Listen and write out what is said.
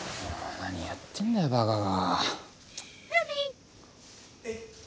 何やってんだよバカが。